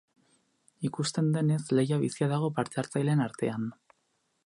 Ikusten denez, lehia bizia dago parte-hartzaileen artean.